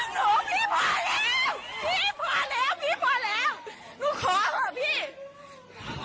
พี่พอแล้วพี่พอแล้ว